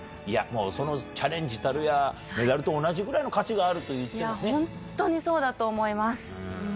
いや、もうそのチャレンジたるや、メダルと同じぐらいの価値がある本当にそうだと思います。